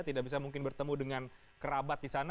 tidak bisa mungkin bertemu dengan kerabat di sana